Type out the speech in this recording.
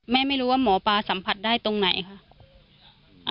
ไม่รู้ว่าหมอปลาสัมผัสได้ตรงไหนค่ะ